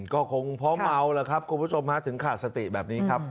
ก็คงเพราะเมาแล้วครับคุณผู้ชมฮะถึงขาดสติแบบนี้ครับ